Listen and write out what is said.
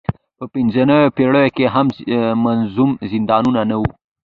په منځنیو پېړیو کې هم منظم زندانونه نه وو.